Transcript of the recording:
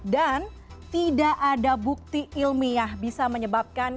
dan tidak ada bukti ilmiah bisa menyebabkan